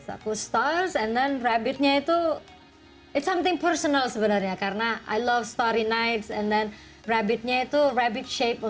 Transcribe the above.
aku stars and rabbits itu sesuatu yang pribadi sebenarnya karena aku suka starry nights dan rabbits itu bentuk rabbits di bumi